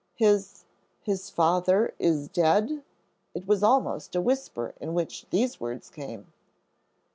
"His his father is dead?" It was almost a whisper in which these words came.